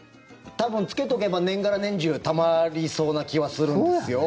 多分つけとけば年がら年中たまりそうな気はするんですよ。